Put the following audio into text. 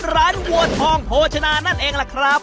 วัวทองโภชนานั่นเองล่ะครับ